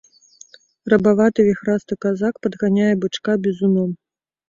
Рабаваты, віхрасты казак падганяе бычка бізуном.